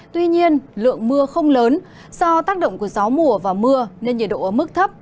tuy nhiên lượng mưa không lớn do tác động của gió mùa và mưa nên nhiệt độ ở mức thấp